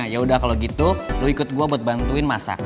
yaudah kalo gitu lo ikut gue buat bantuin masak